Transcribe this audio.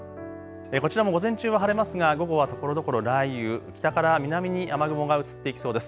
こちらも午前中は晴れますが午後はところどころ雷雨、北から南に雨雲が移っていきそうです。